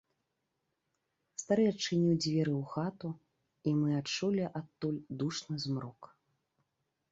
Стары адчыніў дзверы ў хату, і мы адчулі адтуль душны змрок.